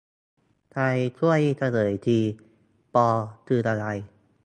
ใครช่วยเฉลยที ป คืออะไร